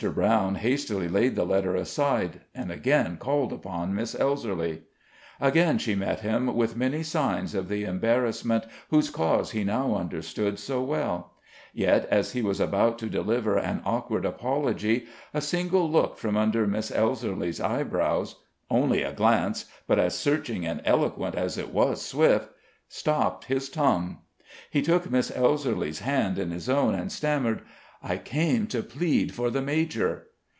Brown hastily laid the letter aside, and again called upon Miss Elserly. Again she met him with many signs of the embarrassment whose cause he now understood so well; yet as he was about to deliver an awkward apology a single look from under Miss Elserly's eyebrows only a glance, but as searching and eloquent as it was swift stopped his tongue. He took Miss Elserly's hand in his own and stammered: "I came to plead for the major."